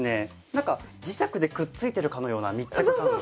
なんか磁石でくっついてるかのような密着感があります。